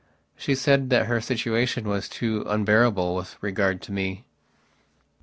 She said that her situation was too unbearable with regard to me.